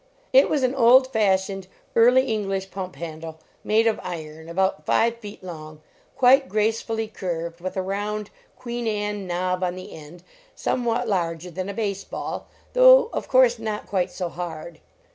It was an old fashioned, Early English pump handle, made of iron, about five fivt long, quite gracefully curved, with a round Queen Anne knob on the end, somewhat larger than a base ball, though of course not quite so hard.